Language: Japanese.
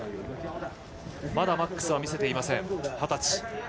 まだマックスは見せていません。